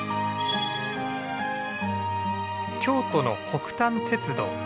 京都の北丹鉄道。